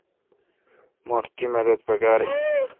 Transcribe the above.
مٹھ تی مدد پکار این۔